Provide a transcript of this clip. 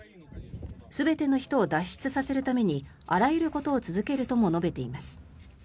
全ての人を脱出させるためにあらゆることを続けるとも述べています。